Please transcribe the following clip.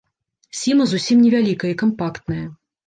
Сіма зусім невялікая і кампактная.